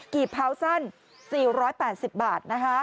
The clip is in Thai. กี่เผาสั้น๔๘๐บาทนะคะ